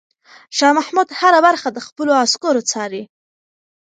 شاه محمود هره برخه د خپلو عسکرو څاري.